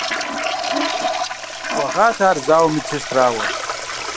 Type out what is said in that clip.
Кӏуэгъат ар зауэм медсестрауэ.